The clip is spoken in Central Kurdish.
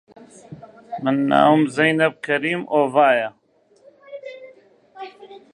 من ناوم زێنەب کەریم ئۆڤایە